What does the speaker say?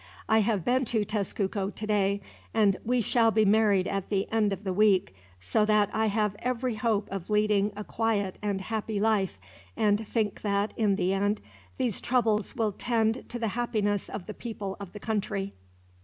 I have been to Tezcuco today, and we shall be married at the end of the week; so that I have every hope of leading a quiet and happy life, and think that, in the end, these troubles will tend to the happiness of the people of the country.